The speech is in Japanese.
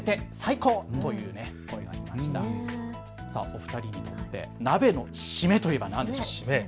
お二人にとって鍋のしめといえば何でしょうか。